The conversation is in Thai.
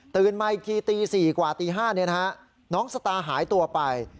ตื่นมาอีกที๔กว่าตี๕เนี่ยนะฮะน้องสตาหายตัวไป